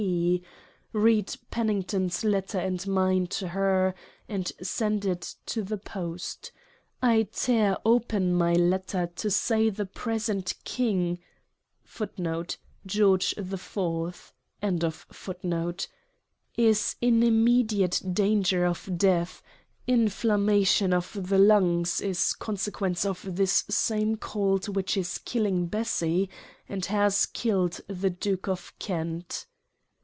P. — read Pennington's Letter and mine to Her ; and send it to the Post. — I tear open my Letter to say the present King* is in immediate Danger of Death — Inflammation on the Lungs in conse quence of this same Cold which is killing Bessy, and has killed the Duke of Kent.